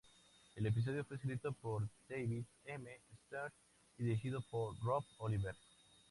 El episodio fue escrito por David M. Stern y dirigido por Rob Oliver.